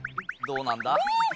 どうなんだ？